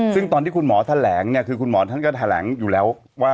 ซึ่งตอนที่คุณหมอแถลงเนี่ยคือคุณหมอท่านก็แถลงอยู่แล้วว่า